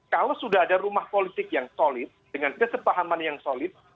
kalau sudah ada rumah politik yang solid dengan kesepahaman yang solid